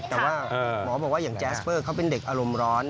แต่ว่าหมอบอกว่าอย่างแจสเปอร์เขาเป็นเด็กอารมณ์ร้อน